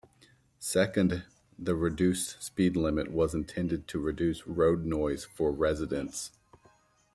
Second the reduced speed limit was intended to reduce road noise for residents.